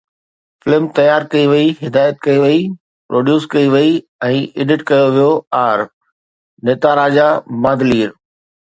Film تيار ڪئي وئي، هدايت ڪئي وئي، پروڊيوس ڪئي وئي ۽ ايڊٽ ڪيو ويو آر. نتاراجا مادلير